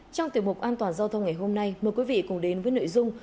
trong tiểu mục an toàn giao thông ngày hôm nay mời quý vị cùng đến với nội dung